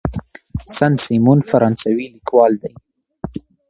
سن سیمون فرانسوي لیکوال و.